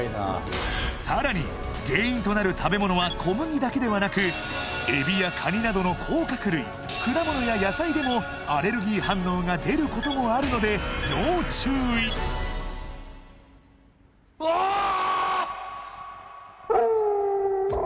さらに原因となる食べ物は小麦だけではなくエビやカニなどの甲殻類果物や野菜でもアレルギー反応が出ることもあるので要注意うおー！